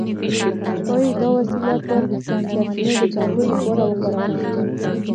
ښايي دا وسیله پر سرچینو د کنټرول لپاره وکارول شي.